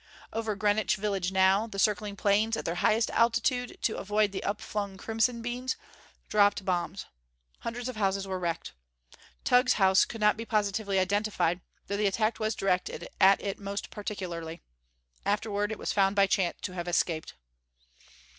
Over Greenwich Village now, the circling planes at their highest altitude, to avoid the upflung crimson beams dropped bombs. Hundreds of houses there were wrecked. Tugh's house could not be positively identified, though the attack was directed at it most particularly. Afterward, it was found by chance to have escaped.